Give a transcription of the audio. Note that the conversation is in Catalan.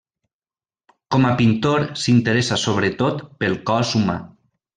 Com a pintor s'interessa sobretot pel cos humà.